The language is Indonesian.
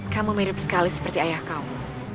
kamu mirip sekali seperti ayah kamu